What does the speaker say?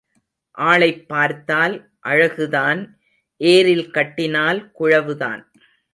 ஆளைப் பார்த்தால் அழகுதான் ஏரில் கட்டினால் குழவுதான்.